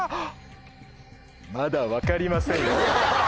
まだ分かりませんよ。